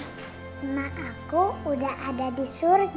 mama aku udah ada di surga sama tuhan